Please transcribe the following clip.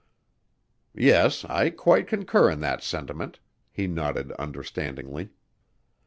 "Yes, I quite concur in that sentiment." He nodded understandingly.